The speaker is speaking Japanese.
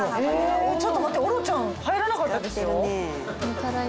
ちょっと待ってオロチョン入らなかったですよ。